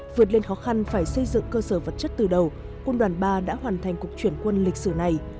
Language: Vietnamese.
vượt lên khó khăn phải xây dựng cơ sở vật chất từ đầu quân đoàn ba đã hoàn thành cuộc chuyển quân lịch sử này